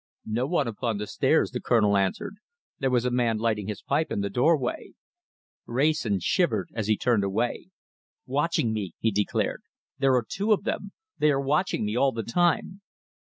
"No one upon the stairs," the Colonel answered. "There was a man lighting his pipe in the doorway." Wrayson shivered as he turned away. "Watching me!" he declared. "There are two of them! They are watching me all the time."